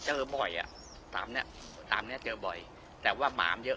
เจอบ่อยอ่ะตามเนี้ยตามเนี้ยเจอบ่อยแต่ว่าหมามันเยอะ